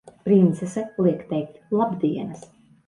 Princese liek teikt labdienas!